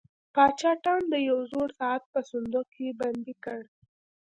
پاچا ټام د یو زوړ ساعت په صندوق کې بندي کړ.